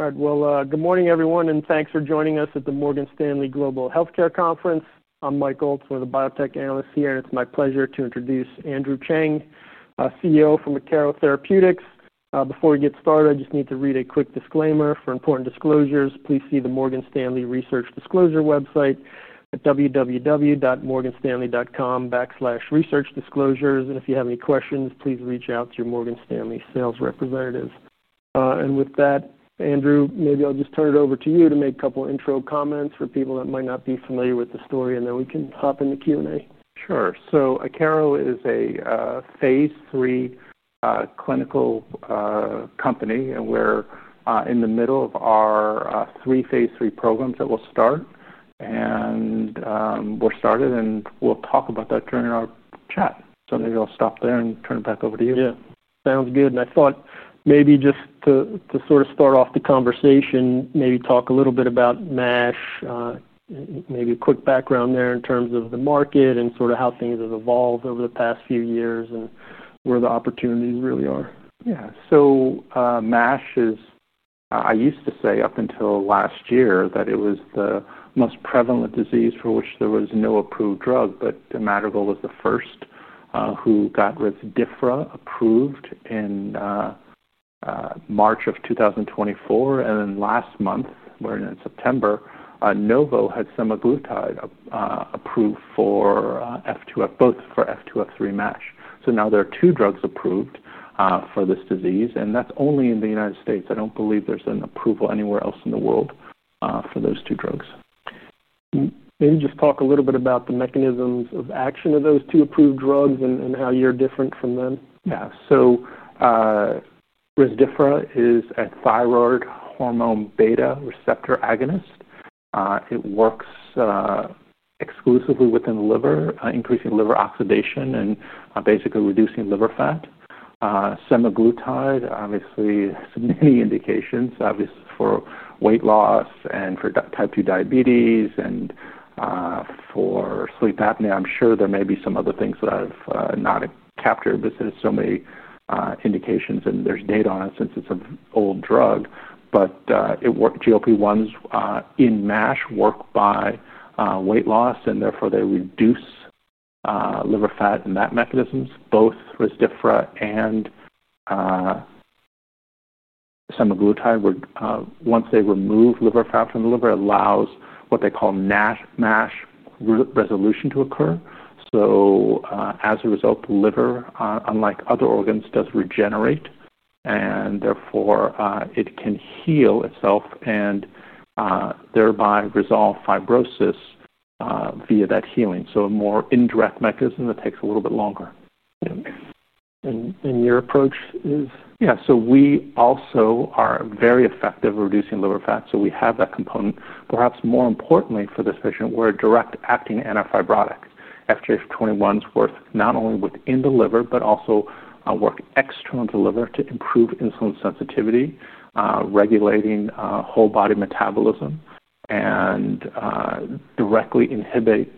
Good morning, everyone, and thanks for joining us at the Morgan Stanley Global Healthcare Conference. I'm Mike Goldsmith, a biotech analyst here, and it's my pleasure to introduce Andrew Cheng, CEO from Akero Therapeutics. Before we get started, I just need to read a quick disclaimer for important disclosures. Please see the Morgan Stanley Research Disclosure website at www.morganstanley.com/researchdisclosures. If you have any questions, please reach out to your Morgan Stanley sales representative. With that, Andrew, maybe I'll just turn it over to you to make a couple of intro comments for people that might not be familiar with the story, and then we can hop into Q&A. Sure. Akero is a phase III clinical company, and we're in the middle of our three phase III programs that will start. We've started, and we'll talk about that during our chat. Maybe I'll stop there and turn it back over to you. Yeah. Sounds good. I thought maybe just to sort of start off the conversation, maybe talk a little bit about MASH, maybe a quick background there in terms of the market and sort of how things have evolved over the past few years and where the opportunities really are. Yeah. MASH is, I used to say up until last year that it was the most prevalent disease for which there was no approved drug, but Rezdiffra is the first, who got resmetirom approved in March of 2024. Last month, we're in September, Novo had semaglutide approved for both for F2/F3 MASH. Now there are two drugs approved for this disease, and that's only in the U.S. I don't believe there's an approval anywhere else in the world for those two drugs. Maybe just talk a little bit about the mechanisms of action of those two approved drugs and how you're different from them. Yeah. So, Rezdiffra is a thyroid hormone beta receptor agonist. It works exclusively within the liver, increasing liver oxidation and basically reducing liver fat. Semaglutide, obviously, so many indications, obviously, for weight loss and for type 2 diabetes and for sleep apnea. I'm sure there may be some other things that I've not captured, but there's so many indications, and there's data on it since it's an old drug. GLP-1s in MASH work by weight loss, and therefore they reduce liver fat and that mechanisms. Both Rezdiffra and semaglutide would, once they remove liver fat from the liver, it allows what they call nat-MASH resolution to occur. As a result, the liver, unlike other organs, does regenerate, and therefore, it can heal itself and thereby resolve fibrosis via that healing. A more indirect mechanism that takes a little bit longer. What is your approach? Yeah. We also are very effective at reducing liver fat, so we have that component. Perhaps more importantly for this patient, we're a direct-acting antifibrotic. FGF21s work not only within the liver, but also work external to the liver to improve insulin sensitivity, regulating whole body metabolism, and directly inhibit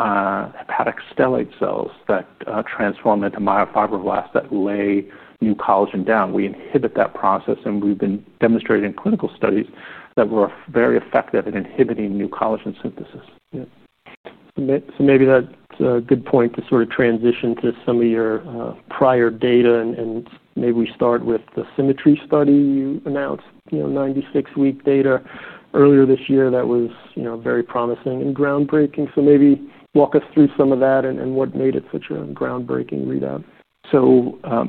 hepatic stellate cells that transform into myofibroblasts that lay new collagen down. We inhibit that process, and we've demonstrated in clinical studies that we're very effective in inhibiting new collagen synthesis. Yeah. Maybe that's a good point to sort of transition to some of your prior data. Maybe we start with the SYMMETRY study. You announced, you know, 96-week data earlier this year that was, you know, very promising and groundbreaking. Maybe walk us through some of that and what made it such a groundbreaking readout.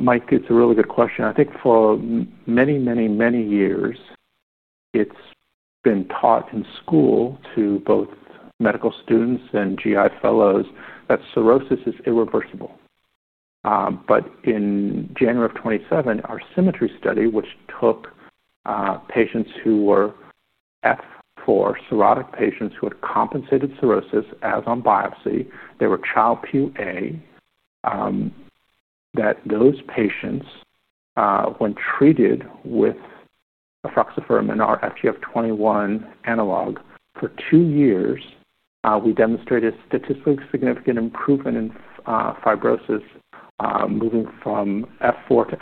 Mike, it's a really good question. I think for many, many, many years, it's been taught in school to both medical students and GI fellows that cirrhosis is irreversible. In January of 2027, our SYMMETRY study, which took patients who were F4 cirrhotic patients who had compensated cirrhosis as on biopsy, they were Child Pugh A, that those patients, when treated with efruxifermin, our FGF21 analog, for two years, we demonstrated a statistically significant improvement in fibrosis, moving from F4 to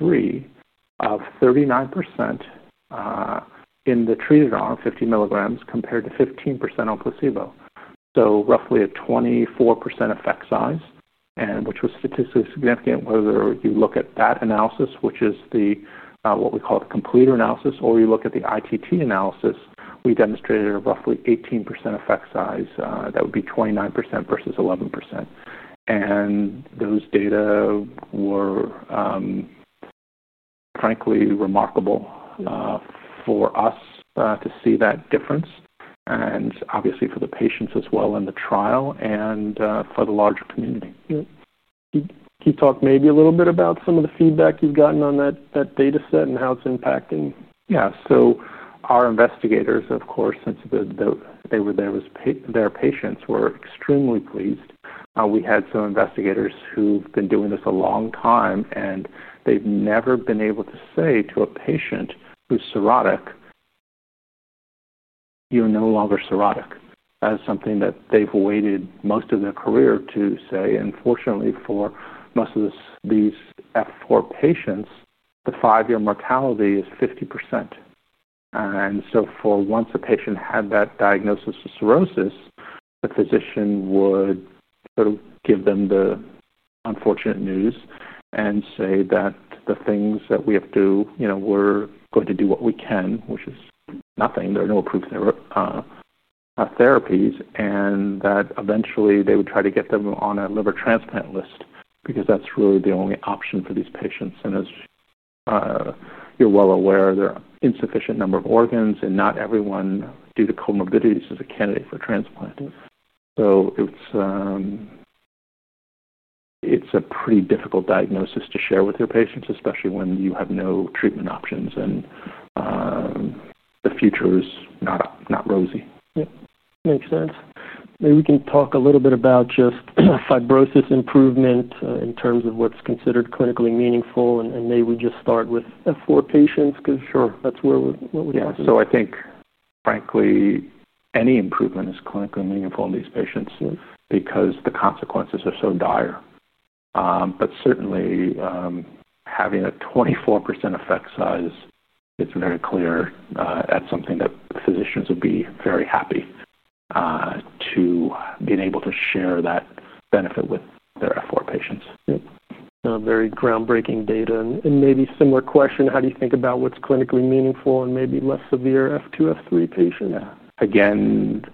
F3 of 39% in the treated on 50 milligrams compared to 15% on placebo. Roughly a 24% effect size, which was statistically significant whether you look at that analysis, which is what we call the completer analysis, or you look at the ITT analysis, we demonstrated a roughly 18% effect size. That would be 29% versus 11%. Those data were, frankly, remarkable for us to see that difference, and obviously for the patients as well in the trial and for the larger community. Yeah. Can you talk maybe a little bit about some of the feedback you've gotten on that dataset and how it's impacting? Yeah. Our investigators, of course, since they were there as their patients, were extremely pleased. We had some investigators who've been doing this a long time, and they've never been able to say to a patient who's cirrhotic, "You're no longer cirrhotic," as something that they've waited most of their career to say. Fortunately, for most of these F4 patients, the five-year mortality is 50%. For once a patient had that diagnosis of cirrhosis, the physician would sort of give them the unfortunate news and say that the things that we have to do, you know, we're going to do what we can, which is nothing. There are no approved therapies, and eventually they would try to get them on a liver transplant list because that's really the only option for these patients. As you're well aware, there are an insufficient number of organs, and not everyone, due to comorbidities, is a candidate for transplant. It's a pretty difficult diagnosis to share with your patients, especially when you have no treatment options and the future is not not rosy. Yeah. Makes sense. Maybe we can talk a little bit about just fibrosis improvement in terms of what's considered clinically meaningful. Maybe we just start with F4 patients because, sure, that's where what we're talking about. Yeah. I think, frankly, any improvement is clinically meaningful in these patients because the consequences are so dire. Certainly, having a 24% effect size, it's very clear that's something that the physicians would be very happy to be able to share that benefit with their F4 patients. Yeah. Very groundbreaking data. Maybe a similar question. How do you think about what's clinically meaningful in maybe less severe F2, F3 patients? Yeah. Again,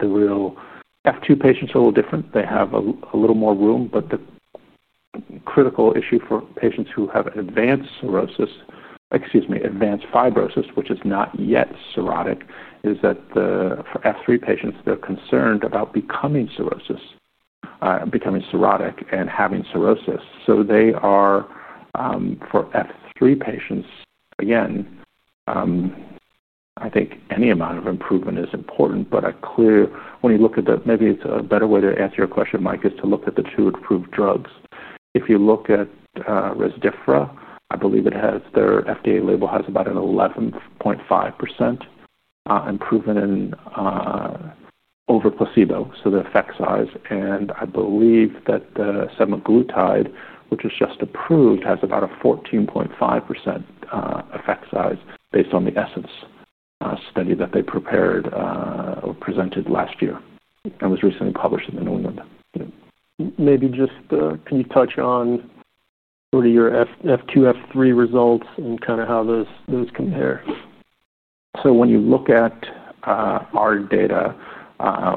the real F2 patients are a little different. They have a little more room. The critical issue for patients who have advanced fibrosis, which is not yet cirrhotic, is that the F3 patients, they're concerned about becoming cirrhotic and having cirrhosis. For F3 patients, I think any amount of improvement is important. Maybe it's a better way to answer your question, Mike, to look at the two approved drugs. If you look at Rezdiffra, I believe its FDA label has about an 11.5% improvement over placebo, so the effect size. I believe that semaglutide, which is just approved, has about a 14.5% effect size based on the ESSERS study that they presented last year. That was recently published in The New England. Yeah. Maybe just, can you touch on sort of your F2/F3 results and kind of how those compare? When you look at our data,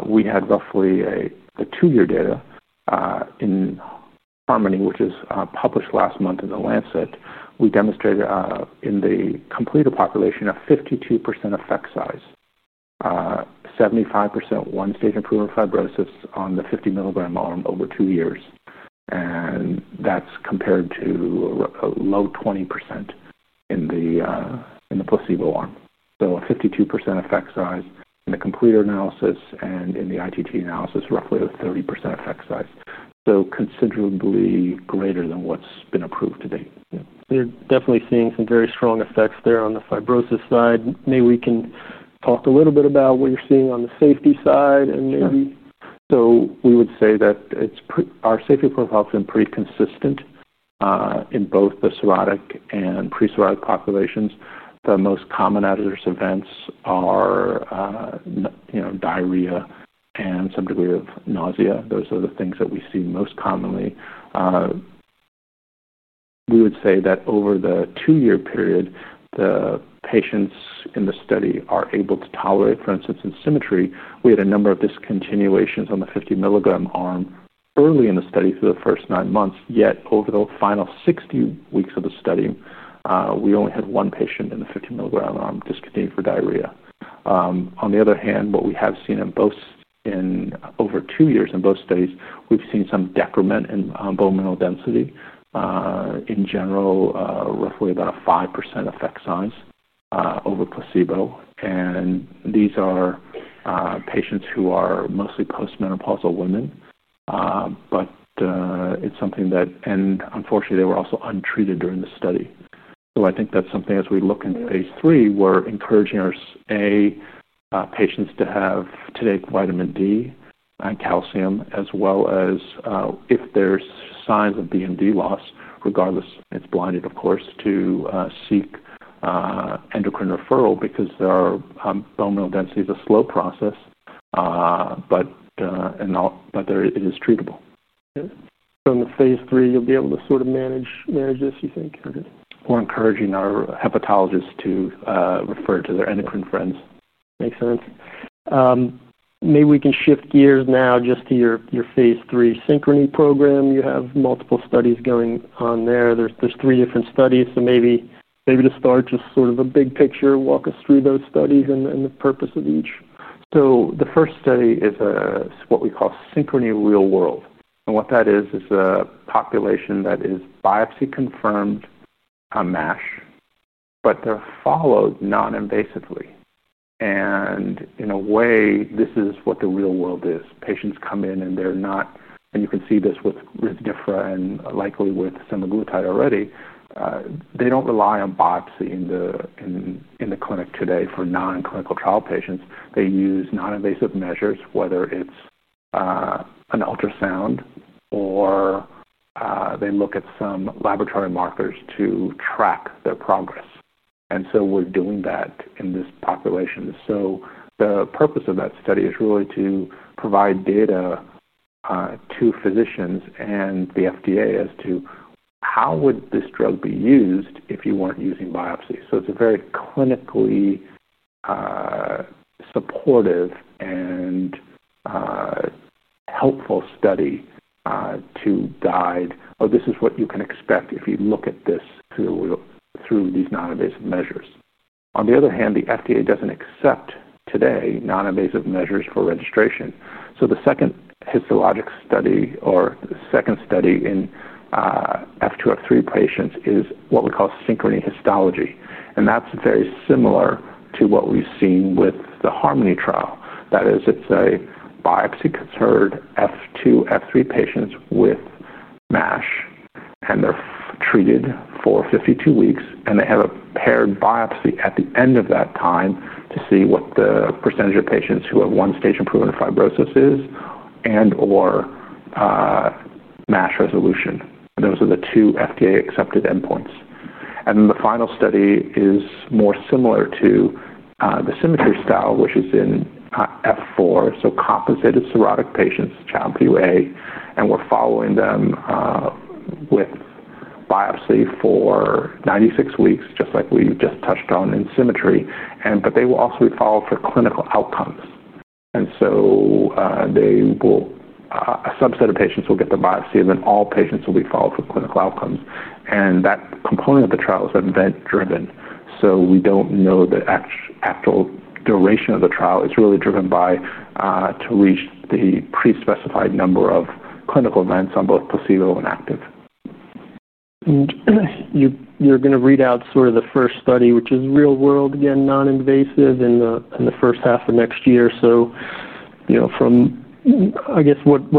we had roughly the two-year data in Harmony, which was published last month in The Lancet. We demonstrated in the completer population a 52% effect size, 75% one-stage improvement of fibrosis on the 50 milligram arm over two years. That's compared to a low 20% in the placebo arm. A 52% effect size in the completer analysis and in the ITT analysis, roughly a 30% effect size. Considerably greater than what's been approved to date. Yeah. You're definitely seeing some very strong effects there on the fibrosis side. Maybe we can talk a little bit about what you're seeing on the safety side. Yeah. We would say that our safety profile has been pretty consistent, in both the cirrhotic and pre-cirrhotic populations. The most common adverse events are, you know, diarrhea and some degree of nausea. Those are the things that we see most commonly. We would say that over the two-year period, the patients in the study are able to tolerate, for instance, in SYMMETRY, we had a number of discontinuations on the 50 milligram arm early in the study through the first nine months. Yet over the final 60 weeks of the study, we only had one patient in the 50 milligram arm discontinue for diarrhea. On the other hand, what we have seen in over two years in both studies, we've seen some decrement in bone mineral density, in general, roughly about a 5% effect size, over placebo. These are patients who are mostly postmenopausal women, but it's something that, and unfortunately, they were also untreated during the study. I think that's something as we look in phase III, we're encouraging our, A, patients to take vitamin D and calcium, as well as, if there's signs of BMD loss, regardless, it's blinded, of course, to seek endocrine referral because their bone mineral density is a slow process, but, and all, but there it is treatable. Yeah. In the phase III, you'll be able to sort of manage this, you think? We're encouraging our hepatologists to refer to their endocrine friends. Makes sense. Maybe we can shift gears now just to your phase III SYNCHRONY program. You have multiple studies going on there. There are three different studies. Maybe to start, just sort of the big picture, walk us through those studies and the purpose of each. The first study is what we call SYNCHRONY Real-World. What that is, is a population that is biopsy-confirmed MASH, but they're followed non-invasively. In a way, this is what the real world is. Patients come in and they're not, and you can see this with Rezdiffra and likely with semaglutide already. They don't rely on biopsy in the clinic today for non-clinical trial patients. They use non-invasive measures, whether it's an ultrasound or they look at some laboratory markers to track their progress. We're doing that in this population. The purpose of that study is really to provide data to physicians and the FDA as to how this drug would be used if you weren't using biopsy. It's a very clinically supportive and helpful study to guide, "Oh, this is what you can expect if you look at this through these non-invasive measures." On the other hand, the FDA doesn't accept non-invasive measures for registration today. The second histologic study, or the second study in F2/F3 patients, is what we call SYNCHRONY Histology. That's very similar to what we've seen with the Harmony trial. That is, it's a biopsy-confirmed F2/F3 patient population with MASH, and they're treated for 52 weeks, and they have a paired biopsy at the end of that time to see what the percentage of patients who have one-stage improvement of fibrosis is and/or MASH resolution. Those are the two FDA-accepted endpoints. The final study is more similar to the SYMMETRY style, which is in F4, so compensated cirrhotic patients, and we're following them with biopsy for 96 weeks, just like we touched on in SYMMETRY. They will also be followed for clinical outcomes. A subset of patients will get the biopsy, and then all patients will be followed for clinical outcomes. That component of the trial is event-driven. We don't know the actual duration of the trial. It's really driven by reaching the pre-specified number of clinical events on both placebo and active. You're going to read out sort of the first study, which is real-world, again, non-invasive in the first half of next year. What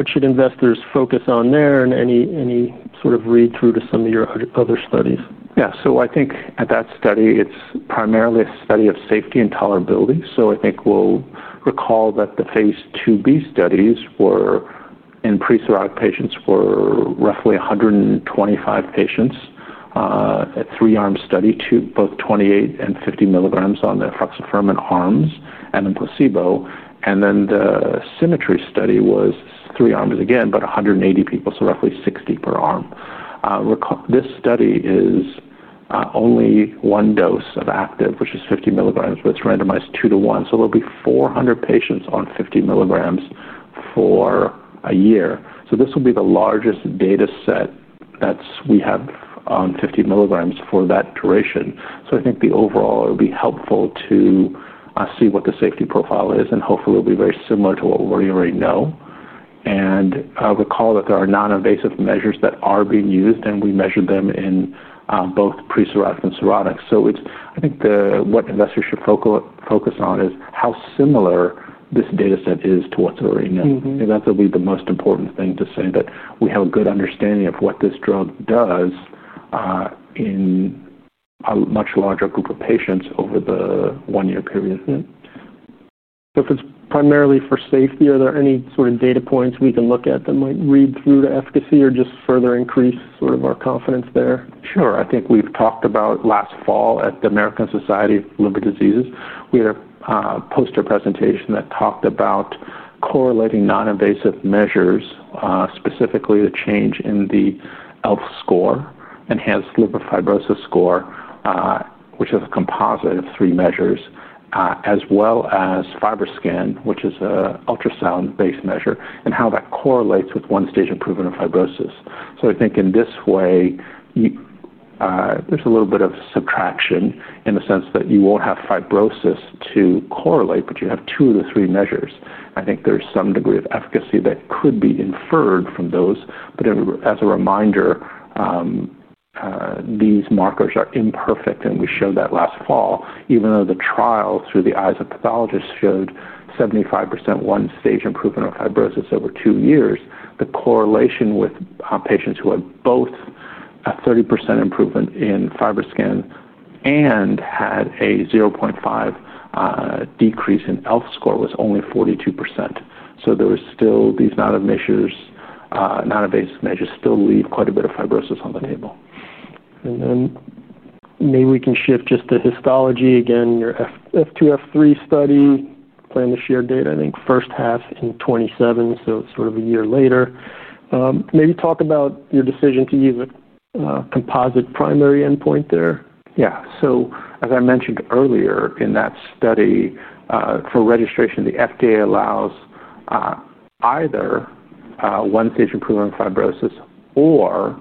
should investors focus on there, and any sort of read-through to some of your other studies? Yeah. I think at that study, it's primarily a study of safety and tolerability. I think we'll recall that the phase IIb studies were in pre-cirrhotic patients, were roughly 125 patients, a three-arm study to both 28 and 50 milligrams on the efruxifermin arms and then placebo. The SYMMETRY study was three arms again, but 180 people, so roughly 60 per arm. This study is only one dose of active, which is 50 milligrams, but it's randomized two to one. There'll be 400 patients on 50 milligrams for a year. This will be the largest dataset that we have on 50 milligrams for that duration. I think overall, it'll be helpful to see what the safety profile is, and hopefully, it'll be very similar to what we already know. I recall that there are non-invasive measures that are being used, and we measure them in both pre-cirrhotic and cirrhotic. I think what investors should focus on is how similar this dataset is to what's already known. That's going to be the most important thing to say that we have a good understanding of what this drug does, in a much larger group of patients over the one-year period. If it's primarily for safety, are there any sort of data points we can look at that might read through to efficacy or just further increase our confidence there? Sure. I think we've talked about last fall at the American Society of Liver Diseases, we had a poster presentation that talked about correlating non-invasive measures, specifically the change in the ELF score, Enhanced Liver Fibrosis Score, which is a composite of three measures, as well as FibroScan, which is an ultrasound-based measure, and how that correlates with one-stage improvement of fibrosis. I think in this way, there's a little bit of subtraction in the sense that you won't have fibrosis to correlate, but you have two of the three measures. I think there's some degree of efficacy that could be inferred from those. As a reminder, these markers are imperfect, and we showed that last fall, even though the trial through the eyes of pathologists showed 75% one-stage improvement of fibrosis over two years, the correlation with patients who had both a 30% improvement in FibroScan and had a 0.5 decrease in ELF score was only 42%. These non-invasive measures still leave quite a bit of fibrosis on the table. Maybe we can shift just to histology. Again, your F2/F3 study, plan to share data, I think first half in 2027, so it's sort of a year later. Maybe talk about your decision to use a composite primary endpoint there. Yeah. As I mentioned earlier, in that study for registration, the FDA allows either one-stage improvement of fibrosis or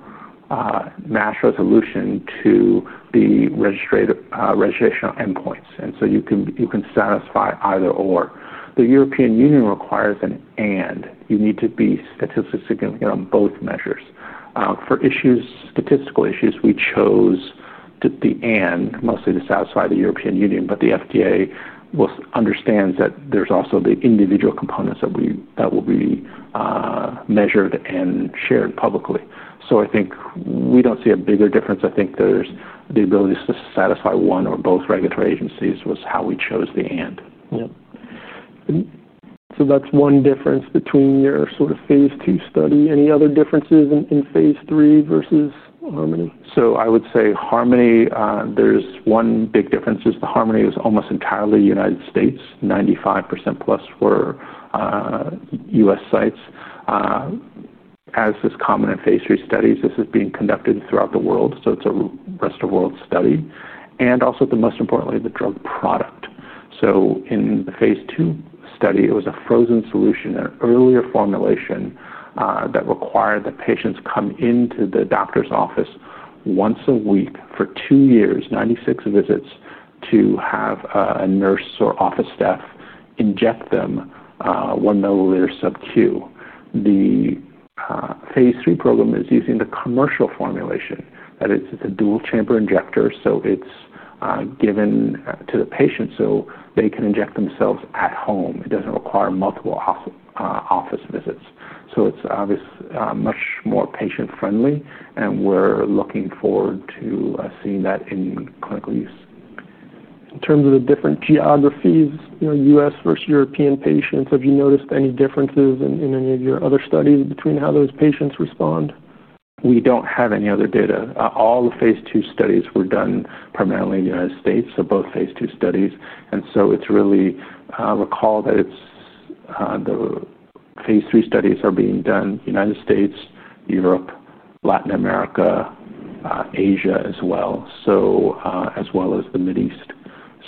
MASH resolution as the registration endpoints. You can satisfy either/or. The European Union requires an "and," you need to be statistically significant on both measures. For statistical issues, we chose the "and" mostly to satisfy the European Union, but the FDA understands that there's also the individual components that will be measured and shared publicly. I think we don't see a bigger difference. I think the ability to satisfy one or both regulatory agencies was how we chose the "and. Yeah, that's one difference between your sort of phase II study. Any other differences in phase III versus SYMMETRY? I would say SYMMETRY, there's one big difference. SYMMETRY is almost entirely U.S., 95%+ U.S. sites. As is common in phase III studies, this is being conducted throughout the world, so it's a rest of the world study. Most importantly, the drug product. In the phase II study, it was a frozen solution, an earlier formulation that required that patients come into the doctor's office once a week for two years, 96 visits, to have a nurse or office staff inject them, 1 milliliter subcu. The phase III program is using the commercial formulation. That is, it's a dual chamber injector, so it's given to the patient so they can inject themselves at home. It doesn't require multiple office visits. It's obviously much more patient-friendly, and we're looking forward to seeing that in clinical use. In terms of the different geographies, you know, U.S. versus European patients, have you noticed any differences in any of your other studies between how those patients respond? We don't have any other data. All the phase II studies were done primarily in the U.S., so both phase II studies. It's really, recall that the phase III studies are being done in the U.S., Europe, Latin America, Asia, as well as the Middle East.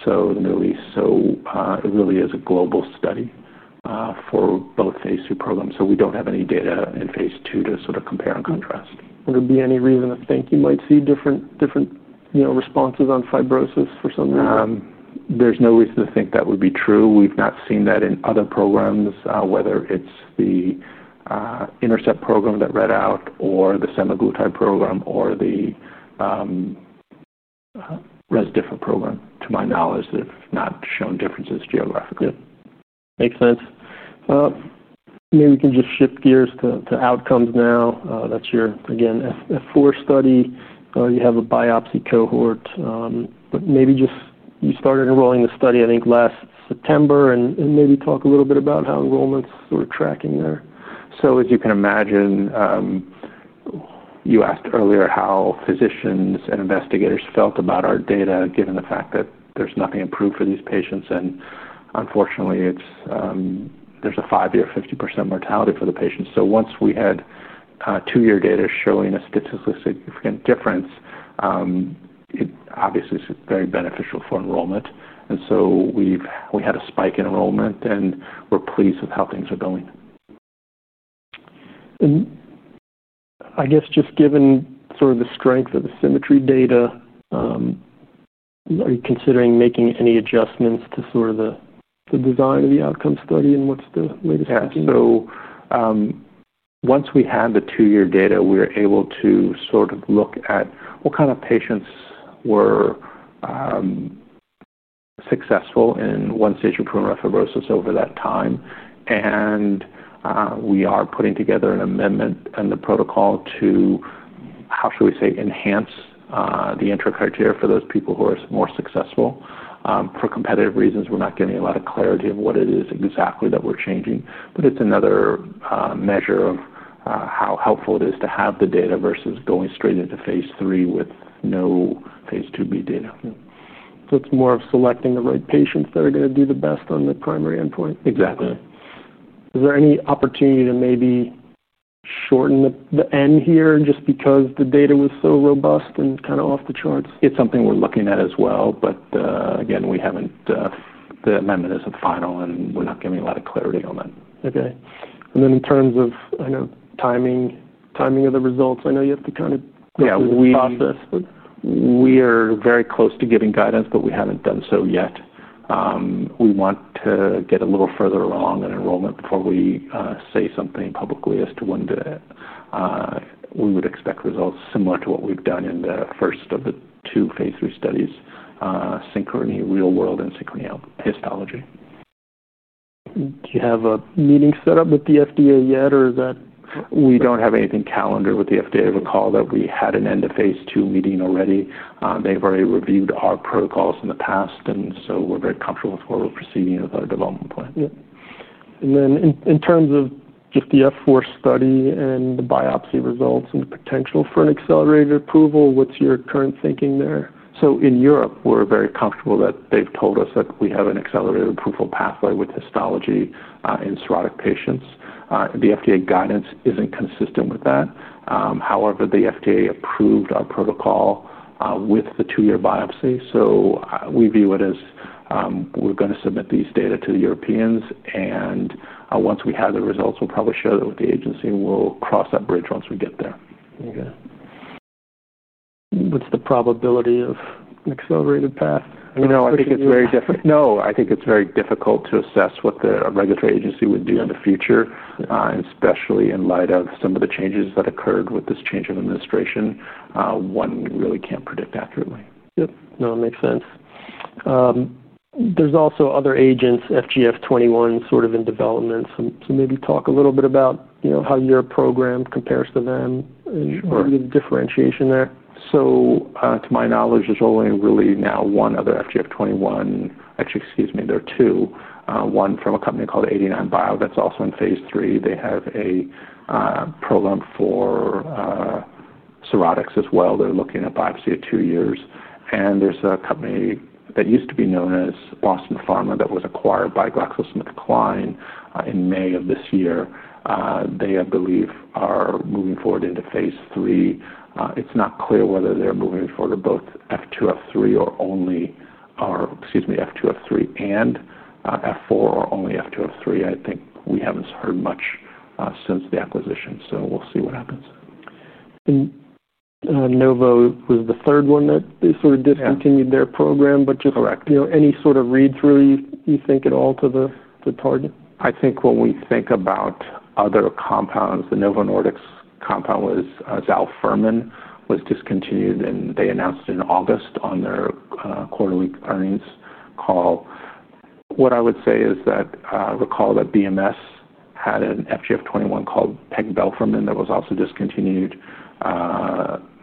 It really is a global study for both phase II programs. We don't have any data in phase II to sort of compare and contrast. Would there be any reason to think you might see different responses on fibrosis for some reason? There's no reason to think that would be true. We've not seen that in other programs, whether it's the Intersect program that read out or the semaglutide program or the Rezdiffra program. To my knowledge, they've not shown differences geographically. Yeah. Makes sense. Maybe we can just shift gears to outcomes now. That's your, again, F4 study. You have a biopsy cohort. Maybe just, you started enrolling the study, I think, last September, and maybe talk a little bit about how enrollments were tracking there. As you can imagine, you asked earlier how physicians and investigators felt about our data, given the fact that there's nothing approved for these patients. Unfortunately, there's a five-year 50% mortality for the patients. Once we had two-year data showing a statistically significant difference, it obviously is very beneficial for enrollment. We've had a spike in enrollment, and we're pleased with how things are going. Given sort of the strength of the SYMMETRY data, are you considering making any adjustments to the design of the outcome study, and what's the latest thinking? Yeah. Once we had the two-year data, we were able to sort of look at what kind of patients were successful in one-stage improvement of fibrosis over that time. We are putting together an amendment in the protocol to, how should we say, enhance the entry criteria for those people who are more successful. For competitive reasons, we're not getting a lot of clarity of what it is exactly that we're changing. It's another measure of how helpful it is to have the data versus going straight into phase III with no phase IIb data. Yeah, it's more of selecting the right patients that are going to do the best on the primary endpoint? Exactly. Is there any opportunity to maybe shorten the "and" here just because the data was so robust and kind of off the charts? It's something we're looking at as well. Again, we haven't, the amendment isn't final, and we're not getting a lot of clarity on that. Okay. In terms of timing of the results, I know you have to kind of process. Yeah. We are very close to giving guidance, but we haven't done so yet. We want to get a little further along in enrollment before we say something publicly as to when we would expect results, similar to what we've done in the first of the two phase III studies, SYNCHRONY Real-World and SYNCHRONY Histology. Do you have a meeting set up with the FDA yet, or is that? We don't have anything calendared with the FDA. I recall that we had an end-of-phase two meeting already. They've already reviewed our protocols in the past, and we're very comfortable with where we're proceeding with our development plan. In terms of if the F4 study and the biopsy results and the potential for an accelerated approval, what's your current thinking there? In Europe, we're very comfortable that they've told us that we have an accelerated approval pathway with histology, in cirrhotic patients. The FDA guidance isn't consistent with that. However, the FDA approved our protocol, with the two-year biopsy. We view it as, we're going to submit these data to the Europeans. Once we have the results, we'll probably share that with the agency, and we'll cross that bridge once we get there. Okay. What's the probability of an accelerated path? I think it's very difficult to assess what the regulatory agency would do in the future, especially in light of some of the changes that occurred with this change in administration. One really can't predict accurately. Yeah. No, it makes sense. There are also other agents, FGF21, in development. Maybe talk a little bit about, you know, how your program compares to them. What are the differentiations there? To my knowledge, there's only really now one other FGF21. Actually, excuse me, there are two. One from a company called 89Bio that's also in phase III. They have a program for cirrhotics as well. They're looking at biopsy at two years. There's a company that used to be known as Boston Pharma that was acquired by GlaxoSmithKline in May of this year. They, I believe, are moving forward into phase III. It's not clear whether they're moving forward to both F2/F3 and F4 or only F2/F3. I think we haven't heard much since the acquisition. We'll see what happens. Novo was the third one that they sort of discontinued their program, but just, you know, any sort of reads, really, you think at all to the target? I think when we think about other compounds, the Novo Nordisk compound was Zilfarman was discontinued, and they announced in August on their quarterly earnings call. What I would say is that I recall that BMS had an FGF21 called pegbelfermin that was also discontinued.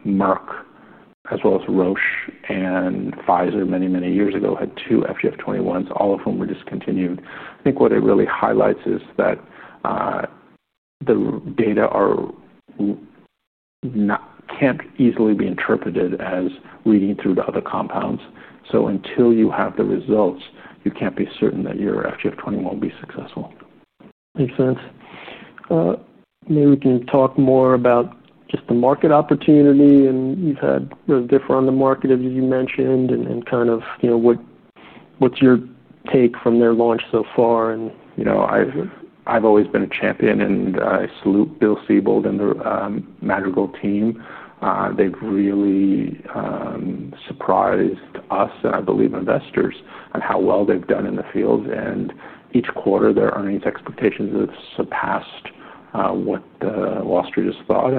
Merck, as well as Roche and Pfizer, many years ago, had two FGF21s, all of which were discontinued. I think what it really highlights is that the data can't easily be interpreted as leading through to other compounds. Until you have the results, you can't be certain that your FGF21 will be successful. Makes sense. Maybe we can talk more about just the market opportunity. You've had Rezdiffra on the market, as you mentioned, and what's your take from their launch so far? I've always been a champion, and I salute Bill Seibold and the Madrigal team. They've really surprised us and, I believe, investors at how well they've done in the field. Each quarter, their earnings expectations have surpassed what Wall Street has thought.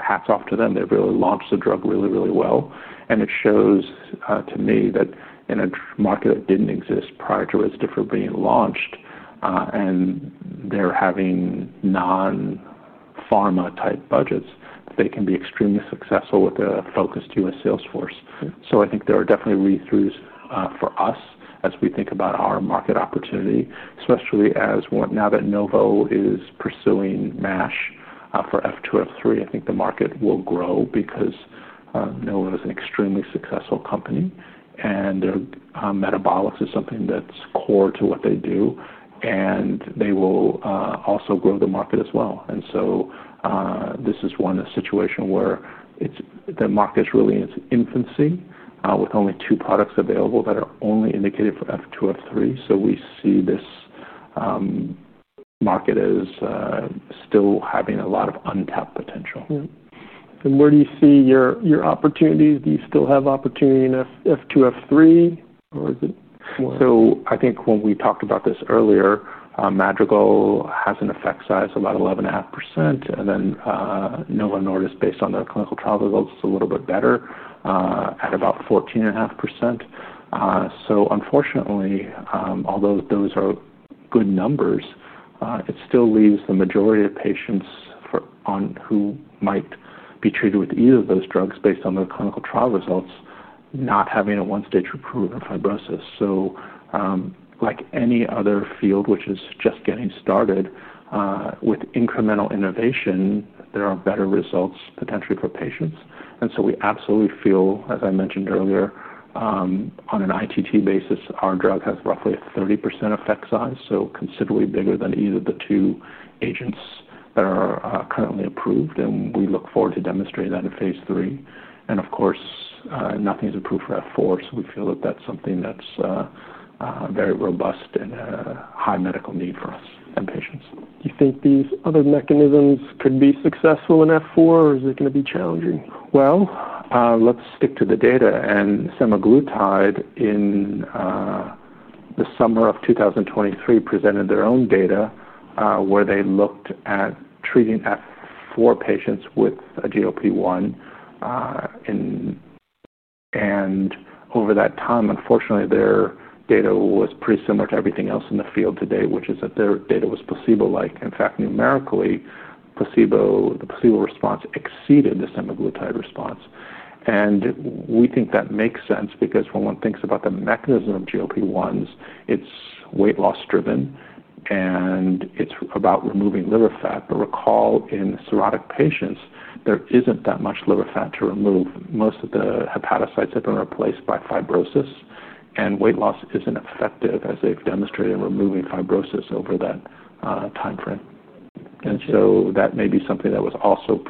Hats off to them. They've really launched the drug really, really well. It shows to me that in a market that didn't exist prior to Rezdiffra being launched, and they're having non-pharma-type budgets, they can be extremely successful with a focus too on sales force. I think there are definitely read-throughs for us as we think about our market opportunity, especially now that Novo is pursuing MASH for F2, F3. I think the market will grow because Novo is an extremely successful company, and metabolics is something that's core to what they do. They will also grow the market as well. This is one situation where the market is really in its infancy, with only two products available that are only indicated for F2, F3. We see this market as still having a lot of untapped potential. Where do you see your opportunities? Do you still have opportunity in F2, F3, or is it? I think when we talked about this earlier, Rezdiffra has an effect size of about 11.5%. Novo Nordisk, based on the clinical trial results, is a little bit better, at about 14.5%. Unfortunately, although those are good numbers, it still leaves the majority of patients who might be treated with either of those drugs based on the clinical trial results not having a one-stage improvement of fibrosis. Like any other field, which is just getting started with incremental innovation, there are better results potentially for patients. We absolutely feel, as I mentioned earlier, on an ITT basis, our drug has roughly a 30% effect size, so considerably bigger than either of the two agents that are currently approved. We look forward to demonstrating that in phase III. Of course, nothing is approved for F4. We feel that that's something that's very robust and a high medical need for us and patients. Do you think these other mechanisms could be successful in F4, or is it going to be challenging? Let's stick to the data. Semaglutide, in the summer of 2023, presented their own data where they looked at treating F4 patients with a GLP-1. Over that time, unfortunately, their data was pretty similar to everything else in the field today, which is that their data was placebo-like. In fact, numerically, the placebo response exceeded the semaglutide response. We think that makes sense because when one thinks about the mechanism of GLP-1s, it's weight loss-driven, and it's about removing liver fat. Recall, in cirrhotic patients, there isn't that much liver fat to remove. Most of the hepatocytes have been replaced by fibrosis, and weight loss isn't effective as they've demonstrated in removing fibrosis over that timeframe. That may be something that was also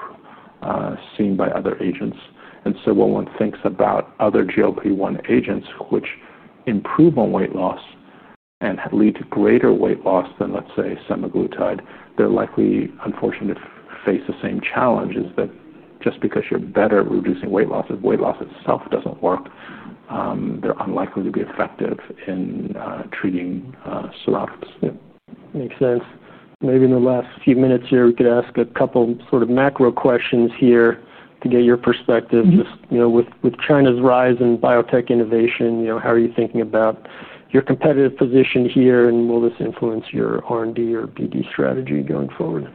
seen by other agents. When one thinks about other GLP-1 agents, which improve on weight loss and lead to greater weight loss than, let's say, semaglutide, they're likely, unfortunately, to face the same challenges. Just because you're better at reducing weight loss, if weight loss itself doesn't work, they're unlikely to be effective in treating cirrhotics. Yeah. Makes sense. Maybe in the last few minutes here, we could ask a couple sort of macro questions to get your perspective. With China's rise in biotech innovation, how are you thinking about your competitive position here, and will this influence your R&D or BD strategy going forward?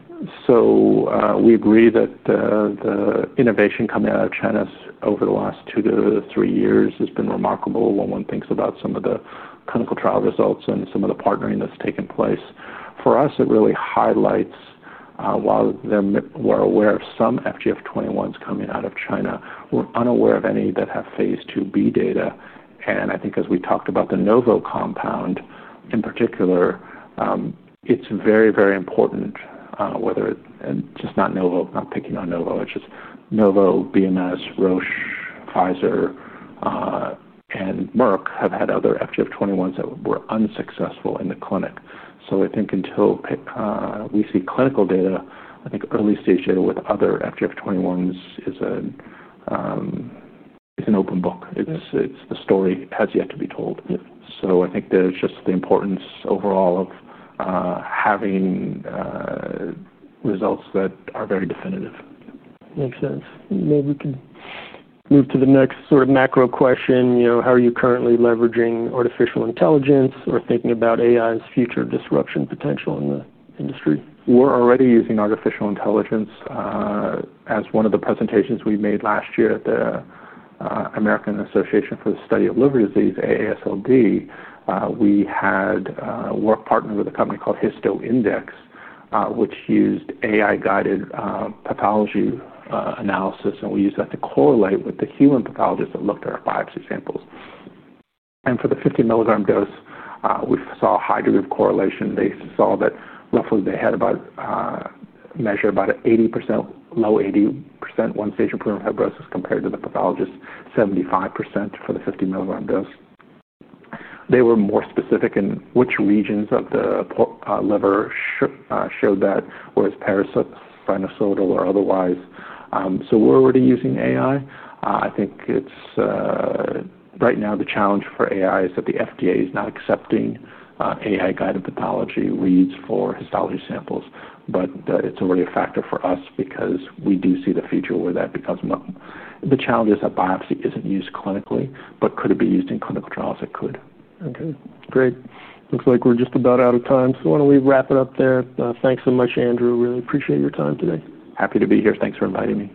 We agree that the innovation coming out of China over the last two to three years has been remarkable when one thinks about some of the clinical trial results and some of the partnering that's taken place. For us, it really highlights, while they're aware of some FGF21s coming out of China, we're unaware of any that have phase IIb data. I think as we talked about the Novo compound in particular, it's very, very important, whether it's and just not Novo, not picking on Novo, it's just Novo, BMS, Roche, Pfizer, and Merck have had other FGF21s that were unsuccessful in the clinic. I think until we see clinical data, I think early stage data with other FGF21s is an open book. It's the story that has yet to be told. I think there's just the importance overall of having results that are very definitive. Makes sense. Maybe we can move to the next sort of macro question. You know, how are you currently leveraging artificial intelligence or thinking about AI's future disruption potential in the industry? We're already using artificial intelligence, as one of the presentations we made last year at the American Association for the Study of Liver Disease, AASLD. We had worked, partnered with a company called HistoIndex, which used AI-guided pathology analysis. We used that to correlate with the human pathologists that looked at our biopsy samples. For the 50 milligram dose, we saw a high degree of correlation. They saw that roughly they had measured about an 80%, low 80% one-stage improvement of fibrosis compared to the pathologist's 75% for the 50 milligram dose. They were more specific in which regions of the liver showed that was parasitic, sinusoidal, or otherwise. We're already using AI. I think right now the challenge for AI is that the FDA is not accepting AI-guided pathology reads for histology samples. It's already a factor for us because we do see the future where that becomes known. The challenge is that biopsy isn't used clinically, but could it be used in clinical trials? It could. Okay. Great. Looks like we're just about out of time. Why don't we wrap it up there? Thanks so much, Andrew. Really appreciate your time today. Happy to be here. Thanks for inviting me.